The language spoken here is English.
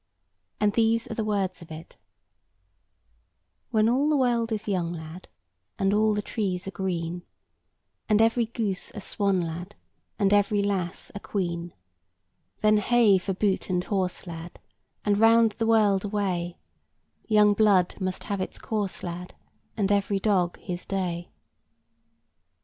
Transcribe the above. And these are the words of it:— When all the world is young, lad, And all the trees are green; And every goose a swan, lad, And every lass a queen; Then hey for boot and horse, lad, And round the world away; Young blood must have its course, lad, And every dog his day.